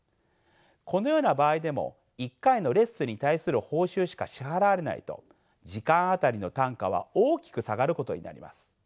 このような場合でも１回のレッスンに対する報酬しか支払われないと時間当たりの単価は大きく下がることになります。